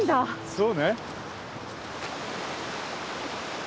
そうね。